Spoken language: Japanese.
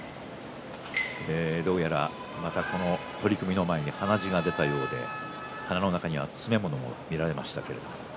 どうやら取組の前に鼻血が出たようで鼻の中には詰め物も見られました。